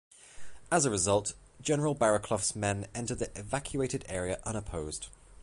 As a result, General Barrowclough's men entered the evacuated area unopposed.